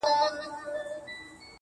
o دا غرونه ، غرونه دي ولاړ وي داسي.